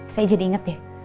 saya jadi inget deh